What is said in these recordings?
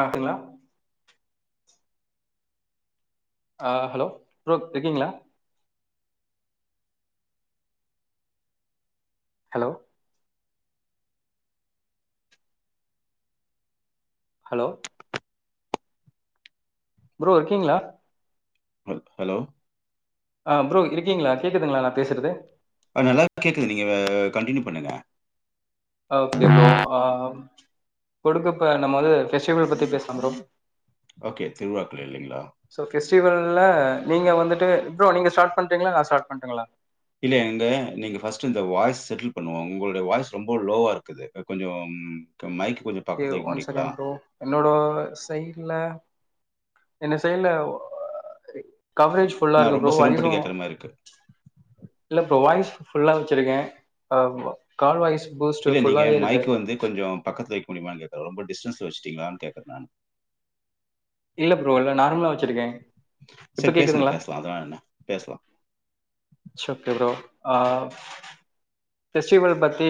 ஆத்துங்ளா ஆ hello bro இருக்கீங்ளா hello hello bro இருக்கீங்ளா ஹலோ ஆ ப்ரோ இருக்கீங்ளா கேக்குதுங்ளா நா பேசுறது அ நல்லாவே கேக்குது நீங்க கண்டினியூ பண்ணுங்க ஓகே ப்ரோ அ குடுக்கப்ப நம்ம வந்து ஃபெஸ்டிவல் பத்தி பேசலாம் ப்ரோ ஓகே திருவிழாக்கள் இல்லீங்ளா திருவிழாலல நீங்க வந்துட்டு ப்ரோ நீங்க ஸ்டார்ட் பண்றீங்ளா நா ஸ்டார்ட் பண்ணட்டுங்ளா இல்ல எங்க நீங்க ஃபர்ஸ்ட்டு இந்த வாய்ஸ் செட்டில் பண்ணுவோ உங்களுடைய வாய்ஸ் ரொம்ப லோவா இருக்குது கொஞ்சோ ம் க மைக் கொஞ்சம் ஓகே பக்கத்துல வைக்க ஒன் முடியுங்களா? செகண்ட் ப்ரோ என்னோட சைடுல என்ன சைடுல கவரேஜ் ஃபுல்லா நான் இருக்கு ரொம்ப ப்ரோ வாய்ஸு சிரமப்பட்டு கேக்குற மாரி இருக்கு. இல்ல ப்ரோ வாய்ஸ் ஃபுல்லா வெச்சிருக்கே ஆ வ கால் வாய்ஸ் பூஸ்ட் இல்ல நீங்க ஃபுல்லாவே இருக்கு மைக் வந்து கொஞ்சோ பக்கத்துல வெ க்க முடியுமானு கேக்கற ரொம்ப டிஸ்டன்ஸ்ல வெச்சிட்டீங்களான்னு கேக்கற நானு இல்ல ப்ரோ இல்ல நார்மலா வெச்சிருக்கேன் இப்ப சரி பேசுங்க கேக்குதுங்ளா பேசலாம். அதெல்லாம் என்ன? பேசலாம். ட்ஸ் ஓகே ப்ரோ அ ஃபெஸ்டிவல் பத்தி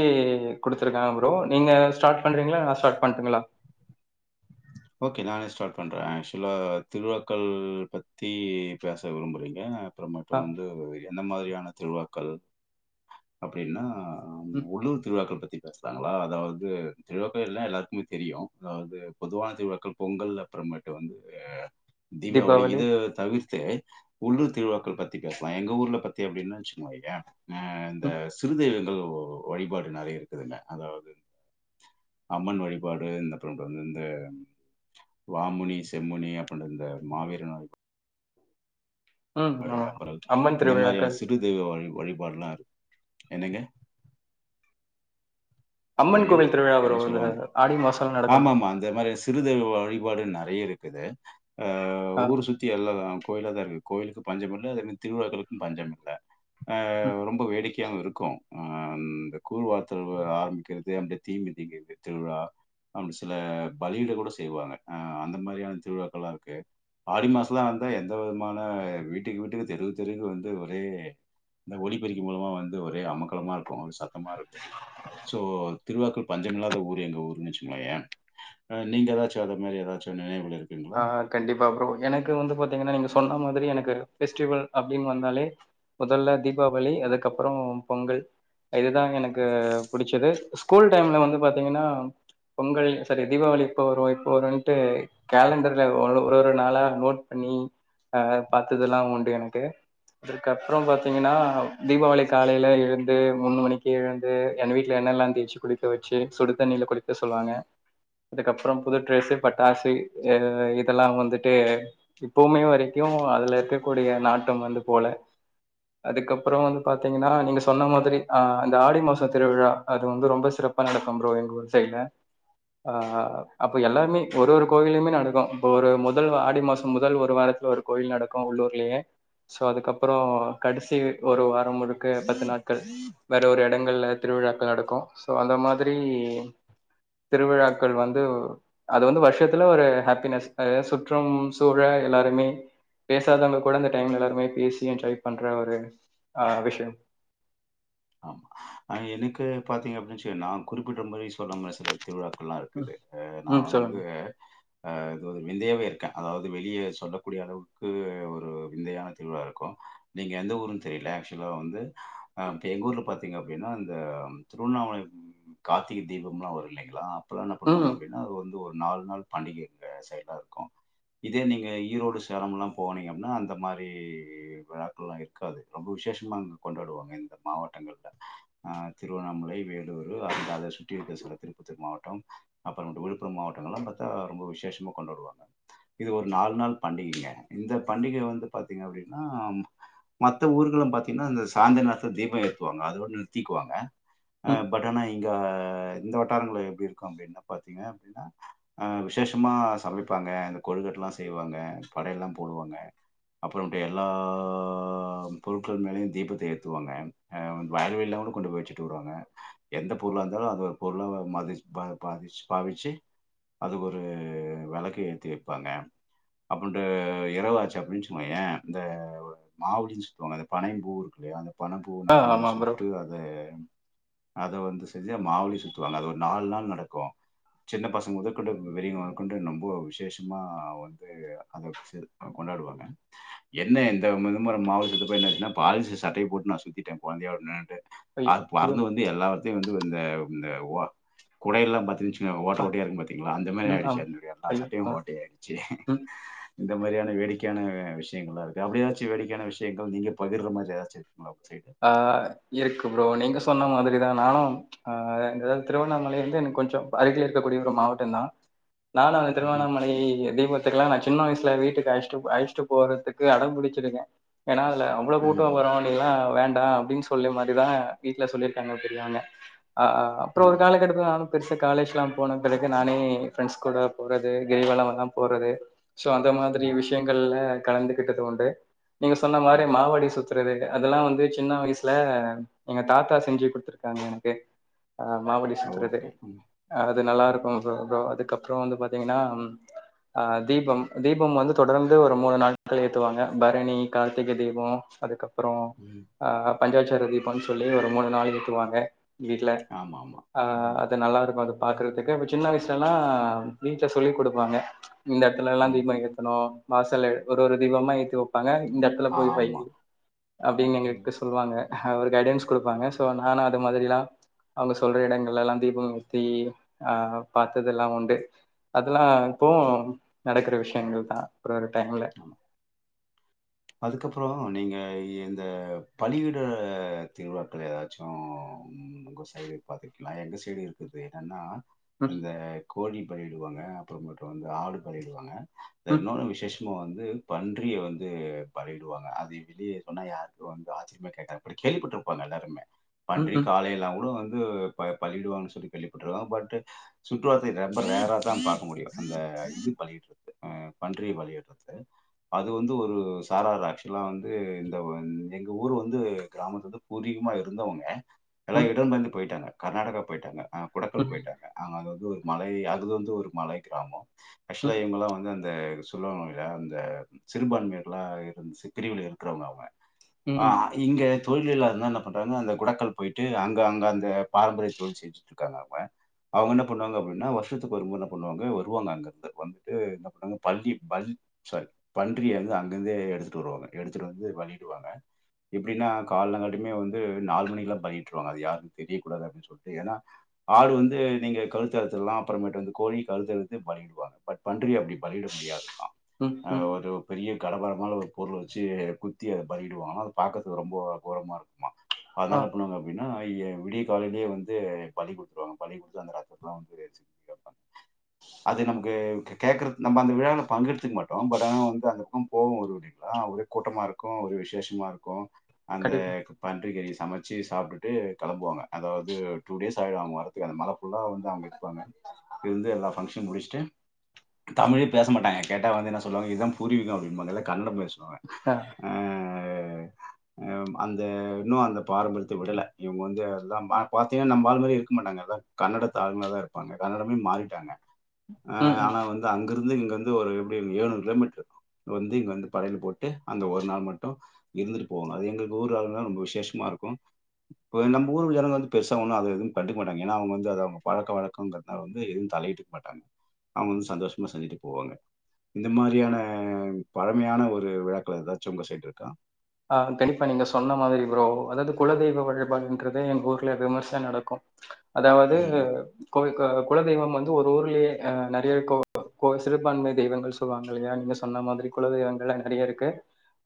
குடுத்துருக்காங்க ப்ரோ நீங்க ஸ்டார்ட் பண்றீங்ளா நா ஸ்டார்ட் பண்ணட்டுங்ளா ஓகே நானே ஸ்டார்ட் பண்ற ஆக்சுவலா திருவிழாக்கள் பத்தி பேச விரும்பறீங்க அப்றமட்டு ஆ, வந்து என்ன மாரியான திருவிழாக்கள் அப்டின்னா ம் உள்ளூர் திருவிழாக்கள் பத் பத்தி பேசுறாங்களா அதாவது திருவிழாக்கள் எல்லா எல்லாருக்குமே தெரியு அதாவது பொதுவா திருவிழாக்கள் பொங்கல் அப்புறமேட்டு வந்து தீபாவளி இத தவிர்த் து உள்ளூர் திருவிழாக்கள் பத்தி பேசலா எங்க ஊர்ல பத்தி அப்படின்னா வச்சுக்கோயே ஆ இந்த ம், சிறு தெய்வங்கள் வழிபாடு நெறைய இருக்குதுங்க அதாவது அம்மன் வழிபாடு இந்த அப்புற வந்து இந்த வாமுனி செம்முனி அப்படின்த இந்த மாவீர நோ ம். வடுகா ஆமா. அப்புறல் அம்மன் இந்த மாரியான திருவிழாக்கள். சிறு தெய்வ வழி வழிபாடெல்லா இரு என்னங்க அம்மன் என்னங்க கோவில் திருவிழா ப்ரோ. என்ன இந்த சொல்ல வந்தே ஆடி மாசம் நடக்கும். ஆமா ஆமா இந்த மாரிஸ் சிறு தெய்வ வழிபாடு நெறைய இருக்குது ஆ ஆ, ஊர் சுத்தி எல்லா கோயிலா தா இருக்கு கோயிலுக்கு பஞ்சமில்ல அதே மாரி திருவிழாக்களுக்கு பஞ்சமில்ல ஆ ம். ரொம்ப வேடிக்கையாவு இருக்கு இருக்கு ஆம் இந்தக் கூழ்வாத்தரவு ஆரம்பிக்கிறது அங்கே தீமிதிக்கிறது திருவிழா அங்கு சில பலியிட கூட செய்வாங்க ஆ அந்த மாரியான திருவிழாக்கள்லா இருக்கு ஆடி மாசல்லா வந்தா எந்த விதமான வீட்டுக்கு வீட்டுக்கு தெருவுக்கு தெருவுக்கு வந்து ஒரே இந்த ஒலிபெருக்கி மூலமா வந்து ஒரே அமக்கலமா இருக்கு ஒரே சத்தமா இருக்கு திருவிழாக்கு பஞ்சம்மில்லாத ஊரு எங்க ஊருன்னு வச்சுகோங்கேயே ஆ நீங்க ஏதாச்சு அத மாரி ஏதாச்சு நினைவுல இரு ஆ கண்டிப்பா ப்ரோ எனக்கு வந்து பாத்தீங்கன்னா நீங்க சொன்ன மாரி திரி எனக்கு ஃபெஸ்டிவல் அப்டின்னு வந்தாலே முதல்ல தீபாவளி அதுக்கப்பறோ பொங்கல் இதுதாங் எனக்கு புடிச்சது ஸ்கூல் டைம்ல வந்து பாத்தீங்கன்னா பொங்கல் சரி தீபாவளி இப்போ வரு இப்போ வருன்ட்டு கேலண்டர்ல ஒரு ஒரு நாளா நோட் பண்ணி அ பாத்ததெல்லா உண்டு எனக்கு அதுக்கப்புறம் பாத்தீங்கன்னா தீபாவளி காலையில எழுந்து மூணு மணிக்கு எழுந்து எங்க வீட்டுல என் எண்ணெல்லா தேச்சு குளிக்க வச்சு சுடு தண்ணியில குளிக்க சொல்லுவாங்க அதுக்கப்புற புது டிரஸ்சு பட்டாசு இது இதெல்லா வந்துட்டு இப்பவுமே வரைக்கு அதுல இருக்கக்கூடிய நாட்டம் வந்து போல அதுக்கப்புற வந்து பாத்தீங்கன்னா நீங்க சொன்ன மாதிரி ஆ அந்த ஆடி மாச திருவிழா அது வந்து ரொம்ப சிறப் பா நடக்கும் ப்ரோ எங்க ஊரு சைட்ல ஆ அப்ப எல்லாருமே ஒரு ஒரு கோவில்லேயுமே நடக்கு இப்ப ஒரு முதல் ஆடி மாச முதல் ஒரு வாரத்துல ஒரு கோயில் நடக்கு உள்ளூர்லேயே சோ அதுக்கப்பறோ கடைசி ஒரு வாரம் முழுக்க பத்து நாட்கள் வேற ஒரு எடங்கள்ல திரு விழாக்கள் நடக்கு சோ அந்த மாதிரி திருவிழாக்கள் வந்து அது வந்து வருஷத் துல ஒரு ஹேப்பினஸ் அது சுற்றும் சூழ எல்லாருமே பேசாதவங்க கூட இந்தந்த டைம்ல எல்லாருமே பேசி ட்ரை பண்ற ஒரு ஆ விஷயம் ஆமா ஆ எனக்கு பாத்தீங்க அப்டின்னுச்சு நா குறிப்பிடுற மாரி சொல்லங்க சிலர் திருவிழாக்கள்ல்லா ம் இருக்குது நா ம் சொல்லுங்க வந்து இது விந்தையாவ இருக்கே அதாவது வெளியே சொல்லக்கூடிய அளவுக்கு ஒரு விந்தையான திருவிழா இருக்கு நீங்க எந்த எந்த ஊருன் தெரியல ஆக்சுவலா வந்து அ இப்போ எங்க ஊர்ல பாத்தீங்க அப்படின்னா இந்த திருவண்ணாமலை கார்த்திகை தீபம்லாம்லா வரு இல்லைங்களா இப்பல்லா என்ன பண்ணுவாங்க ம் அபடின்னா அது வந்து ஒரு நாலு நாள் பண்டிகைங்க சைடா இருக்கு இதே நீங்க ஈரோடு சேலம்ல்லா போனீங்க அப்பின்னா அந்த மாரி விழாக்கள்லா இருக்காது ரொம்ப விஷய விசேஷமா அங்க கொண்டாடுவாங்க இந்த மாவட்டங்கள்ல ஆ திருவண்ணாமலை வேலூரு அந்த அத சுட்டி இருக்கிற சில திருப்பத்தூர் மாவட்ட அப்புறம்ட்டு விழுப்புரம் மா மாவட்டங்கல்லா பாத்தா ரொம்ப விசேஷமா கொண்டாடுவாங்க இது ஒரு நாலு நாள் பண்டிகைங்க இந்த பண்டிகை வந் து பாத்தீங்க அப்படின்னா மத்த ஊர்கள பாத்தீங்கன்னா இந்த சாந்த நா தீபம் ஏத்துவாங்க அதோட நிறுத்திக்குவாங்கஆ ம் பட் ஆனா இங்க இந்த வட்டாரங்கள எப்டி இருக்கு அப்டின்ன பாத்தீங்க அப்படின்னா ஆ விசேஷமா சமைப்ப அ கொழுக்கட்டல்லா செய்வாங்க படையல்லா போடுவாங்க அப்பறமேட்டு எல்லா பொருட்கள் மேலயு தீபத்த ஏத் துவாங்க ஆ வாயல் வழி எல்லா கொண்டு போய் வச்சிட்டு வருவாங்க எந்த பொருளா இருந்தாலு அத ஒரு பொருளா மதி பா பாதிச் பாவிச்சி அதுக்கு ஒரு வெளக்கு ஏத்தி வைப்பாங்க அப்பறமேட்டு இரவு ஆச்சி அப் விலிஞ்சிக்கோயே இந்த மாவுடின்னு சொல்வாங்க அந்த பனையம் பூ இருக்குல்லையா அந்த பணம் பூவ ஆ அப்ப நம்ம ஆமா ப்ரோ சுட்டு அத அத வந்து செஞ்சா மாவுளி சுத்துவாங்க அது ஒரு நாலு நாள் நடக்கு சின்ன பசங்க மொதற்கொண்டு பெரியவங்க மொதற்கொண்டு ரொம்ப விசேஷமா வந்து அத சிற கொண் வெளாடுவாங்க என்ன இந்த வித முற மாவுளி சுத்தப்பா என்ன ஆச்சுன்னா பாலிஸ்டர் சட்டைய போட்டு நா சுத்திட்டே கொழந்தையோட நின்னுட்டு ஐயோ அது ஐயோ பறந்து வந்து எல்லாத்தயு வந்து இந்த இந்த ஓ கொடை எல்லா பத்திகிச்சு ஓட்ட பா ஓட்டயா இருக்கு பாத்தீங்களா அந்த மாரி ம் ஆயிடுச்சி ஆமா எங்களுக்கு எல்லா ஐயோ சட்டையு ஆ ஓட்ட ஆயிடுச்சி ம் இந்த மாரியான வேடிக்கையான விஷயங்கள்லா இருக்கு அப்டி ஏதாச்சு வேடிக்கையான விஷயங்கள் நீங்க பகிர்ற மாரி ஏதாச்சு இருக் ஆ இருக்கு ப்ரோ நீங்க சொன்ன மாதிரி இதுதா நானு ஆ இந்த ஏதாவது திருவண்ணாமலை வந்து எனக்கு கொஞ்சோ அருகில இருக்கக்கூடிய ஒரு மாவட்டந்தா நானு அந்த ம்ஹ்ம். திருவண்ணாமலை தீபத்துக்கெல்லா நா சும் சின்ன வயசுல வீட்டுக்கு அழச்சிட்டு அழச்சிட்டு போறதுக்கு அடம் பிடிச்சிருக்கே ஏன்னா அதுல அவ்ள ம். கூட்டோ ம். வரு நீ எல்லா வேண்டா அப்டின்னு சொல்லி மாரிதா வீட்ல சொல்லியிருக்காங்க பெரியவங்க ஆ ஆ அப்பறோ ஒரு ம். காலக்கட்டத்துல நானு பெருசா காலேஜ்ல்லா போன பிறகு நானே ஃப்ரெண்ட்ஸ் கூட போறது கிரிவலம் எல்லா போறது சோ அந்த மாதிரி ம். விஷயங்கள்ல கலந்துகிட்டது உண்டு நீங்க சொன்ன மாதிரி ம். மாவடி சுத்துறது அதெல்லா வந்து சின்ன வயசுல எங்க தாத்தா செஞ்சு குடுத்துருக்காங்க எனக்கு ஆ மாவடி சுத்துறது ஓகே. ம். அது நல்லா ம். இருக்கு தோ தோ அதுக்கப்பறோ வந்து பாத்தீங்கன்னா ஆ தீபம் தீபம் வந்து தொடர்ந்து ஒரு மூணு நாட்கள் ஏத்துவாங்க பரணி கார்த்திகை தீபோ அதுக்கப் அப்பறோ ம். பஞ்சாச்சர தீபன்னு சொல்லி ஒரு மூணு நாள் ஏத்துவாங்க வீட்ல ஆமாமா. ஆ ம். அது நல்லா இருக்கு அது பாக்குறதுக்கு கேப்பே சின்ன வயசுலல்லா வீட்ல சொல்லி குடுப்பாங்க இந்த இடத்துலல்லா ம். தீபோ எத்தணு வாசல்லா ஒரு ஒரு தீபமா ஏத்தி வப்பாங்க இந்த இடத்துல போய் ஆமா வையி அப்டின்னு எங்களுக்கு ம். அவங்க அவரு கைடன்ஸ் குடுப்பாங்க சோ நானு அது மாதிரில்லா அவங்க சொல்ற இடங்கள்லல்லா தீபம் எத்தி ஆ பாத்ததெல்லா உண்டு அதெல்லா இப்போவு ம், நடக்கிற விஷயங்கள் தா ஒரு ஒரு டைம்ல அதுக்கப்பறோ நீங்க இந்த பலியிடுற திருவிழாக்கள் ஏதாச்சு உங்க சைடு பாத்திருக்கலா எங்க சைடு இருக்குது என்னன்னா ம் இந்த கோழி பலியிடுவாங்க அப்பறமேட்டு வந்து ஆடு பலியிடுவாங்க அந்த ம் இன்னொன்னு விசேஷ ம் வந்து பன்றிய வந்து பலியிடுவாங்க அது வெளிய சொன்னா யாருக்கு வந்து ஆச்சிரியமா கேட்டாப்டி கேள்விப்பட்டுருப்பாங்க எல்லாருமே பன்றி ம் காலேல அவ்ளோ வந் து ப பலியிடுவாங்கன்னு சொல்லி கேள்விபற்றுக்கே பட் சுற்று வட்டாரத்துல ரொம்ப ரேரா தா பாத் முடியு அந்த இது பலியிட்டுறது ஆ பன்றிய பலியிடுறது அது வந்து ஒரு தாரவராஜ் ஆக்சுவலா வந்து இந்த எங்க ஊர் வந்து கிராமத்து வந்து பூர்வீகமாக இருந்தவங்க எல்லா ம் ம் இடம்பெயர்ந்து போயிட்டாங்க கர்நாடகா போயிட்டாங்க ஆ குடக்கல் ம் போயிட்டாங்க அவங்க அது வந்து ஒரு மலை அது வந்து ஒரு மலை கிராமம் ஆக்சுவலா ம் இவங்கல்லா வந்து அந் இந்த சொல்லுவாங்க இல்லையா அந்த சிறுபான்மையர்களா இருந்துச்சி பிரிவுல இருக்குறவங்க அவங்க ஆ ம் இங்க தொழில் இல்லாத இருந்தா என்ன பண்றாங்க அந்த குடக்கல் போயிட்டு அங்க அங்க அந்த பாரம்பரிய தொழில் செஞ்சிட்டு இருக்காங்க அவங்க அவங்க என்ன பண்ணுவாங்க அப்டின்னா வருஷத்துக்கு ஒரு முற என்ன பண்ணுவாங்க வருவாங்க அங்கந்து வந்துட்டு என்ன பண்ணுவாங்க பள்ளி பல் சாரி பன்றிய வந்து அங்கிருந்தே எடுத்துட்டு வருவாங்க எடுத்துட்டு வந்து பண்ணிடுவாங்க எப்டின்னா கால்லங்காட்டுகுமே வந்து நாலு மணிக்குல்லா பண்ணி வுட்டுருவாங்க அது யாருக்கு தெரியக் கூடாது அப்டின்னு சொல்லிட்டு ஏன்னா ஆடு வந்து நீங்க கழுத்தறுத்துடலா அப்புறமேட்டு வந்து கோழி கழுத்தறுத்து பலியிடுவாங்க பட் பன்றி அப்டி பலியிட முடியாது. ம் ம் கடப்பார மாரி ஒரு பொருள வச்சு குத்தி அத பலியிடுவாங்கலா அத பாக்கறதுக்கு ரொம்ப கோரமா இருக்குமா அதால ஆ என்ன பண்ணுவாங்க அப்டின்னா. ஆனா ஏ விடிய காலையிலேயே வந்து பலி குடுத்துருவாங்க பலி குடுத்து அந்த ரத்தத்துலாம் வந்து [inaudible] அது நமக்கு கே கேக்குறது நம்ம அந்த விழாவுல பங்கு எடுத்துக்க மாட்டோம் பட் ஆனா வந்து அந்த பக்கோம் போவோ வருவோ இல்லைங்களா ஒரே கூட்டமா இருக்கு ஒரே விசேஷமா இருக்கு அந்த கண்டிப்பா பன்றிகறிய சமைச்சி சாப்டுட்டு கிளம்புவாங்க அதாவது டூ டேஸ் ஆயிடு அவுங்க வர்றதுக்கு அந்த மல ஃபுல்லா வந்து அவுங்க இருப்பாங்க. இருந்து எல்ல பங்க்ஷனு முடிச்சிட்டு தமிழே பேச மாட்டாங்க கேட்ட வந்து என்ன சொல்லுவாங் இந்தா புரியோ அப்டின் இவங்கல்லா கன்னடோ பேசுவாங்க அ அ ம் அந்த இன்னு அந்த பாரம்பரியத்த விடல இவங்க வந்து அததான் பாத்தீங்கன்னா நம்மா ஆள் மாரியே இருக்க மாட்டாங்க அதா கன்னடத்து ஆளுங்களாதா இருப்பாங்க கன்னடமே இங் மாறிட்டாங்க. அ ம் ம் ஆனா வந்து அங்கிருந்து இங்க வந்து ஒரு எப்டியு எழுநூறு கிலோமீட்டர் இருக்கு அங்க வந்து இங்கே வந்து படையில்ல போட்டு அந்த ஒரு நாள் மட்டு இருந்துட்டு போவங்க அது எங்களுக்கு ஊர் ஆளுங்கள்னா ரொம்ப விசேஷமா இருக்கு. ம் இப்ப நம்ம ஊர்ல உள்ள ஜனங்க வந்து பெருசா ஒன்னு அத எதுவு கண்டுக்க மாட்டாங்க ஏன்னா அவுங்க வந்து அத அவுங்க பழக்க வழக்கோங்கறதுனால வந்து எதுவு த எத்துக் மாட்டாங்க அவுங்க வந்து சந்தோஷமா செஞ்சட்டு போவாங்க இந்த மாரியான பழமையான ஒரு விழாக்கள் எதாச்சி உங்க சைடு இருக்கா அ கண்டிப்பா நீங்க சொன்ன மாதிரி ப்ரோ அதாவது குலதெய்வ வழிபாடு இன்றது எங்க ஊர்ல விமர்சை நடக்கு அதாவது ம், கோவி குலதெய்வம் வந்து ஒரு ஊர்லேயே அ நெறைய கோ கோ சிறுபான்மை தெய்வங்கள் சொல்லுவாங்க இல்லையா நீங்க சொன்ன மாதிரி குலதெய்வங்கள் நெறைய இருக்கு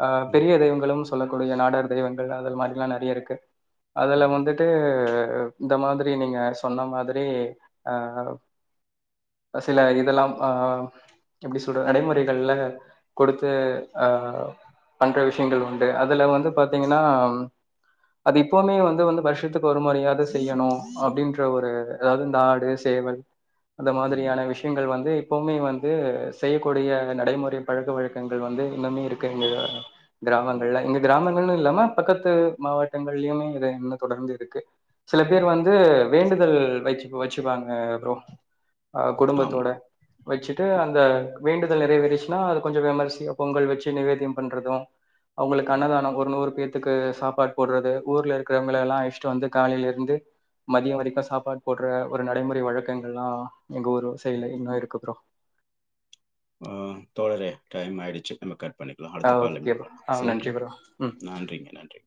அ ம், பெரிய தெய்வங்களும் சொல்லக்கூடிய நாடர் தெய்வங்கள் அது மாதிரிலா நெறைய இருக்கு. அதுல ம், வந்துட்டு. அ இந்த மாதிரி நீங்க சொன்ன மாதிரி அ சில இதெல்லாம் ஆ எப்டி சொல்ற நடைமுறைகள்ல கொடுத்து அ பண்ற விஷய திங்கள் உண்டு அதுல வந்து பாத்தீங்கன்னா. அது இப்வுமே வந்து வந்து வருஷத்துக்கு ஒரு முறையாவது செய்யணு அப்டின்ற ஒரு அதாவது இந்த ஆடு சே சேவல் அந்த ம், மாதிரியான விஷயங்கள் வந்து இப்பவுமே வந்து செய்யக்கூடிய நடைமுறை பழக்க வழக்கங்கள் வந்து இன்னுமே இருக்கு எங்க ம், கிராமங்கள்ல இங்க கிராமங்கள்னு இல்லாம பக்கத்து மாவட்டங்கள்லயுமே இத இன்னு தொடர்ந்து இருக்கு. சில பேர் ம். வந்து வேண்டுதல் வெச்ச வெச்சிப்பாங்க ப்ரோ. அ ஆமா. குடும்பத்தோட வெச்சிட்டு அந்த வேண்டுதல் நெறைவேறிச்சுன்னா அத கொஞ்சோ விமர்சி பொங்கல் வெச்சு நிவேத்தியம் பண்றது அவுங்களுக்கு ம், அன்னதானோ ஒரு நூறு பேர் த்துக்கு சாப்பாடு போட்றது ஊர்ல இருக்கறவங்கள எல்லா அஷ்ட்டு வந்து காலையில இருந்து மதியம் வரைக்கு சாப்பாடு போட்ற ஒரு நடைமுறை வழக்கங்கள்லா எங்க ஊரு சைட்ல ம். இன்னு இருக்கு ப்ரோ ஆ தோழரே டைம் ஆயிடுச்சி நம்ம கட் பண்ணிக்கலா ஆ அடுத்த கால்ல ஓகே மீட் ப்ரோ பண்ணலா ஆ செரிங்களா நன்றி ப்ரோ ம் நன்றிங்க நன்றிங்க